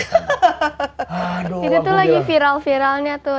ini tuh lagi viral viralnya tuh